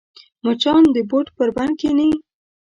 مچان د بوټ پر بند کښېني